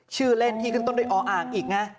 ชื่อเล่นที่ขึ้นต้นด้วยออ่างอีกนะ